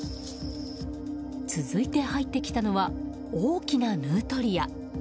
続いて入ってきたのは大きなヌートリア。